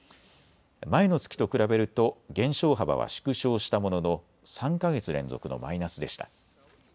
前の月と比べると減少幅は縮小ししたものの３か月連続のマイナスでした。